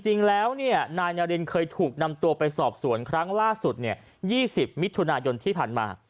จริงแล้วนายนารินเคยถูกนำตัวไปสอบสวนครั้งล่าสุด๒๐มิถุนายนที่ผ่านมา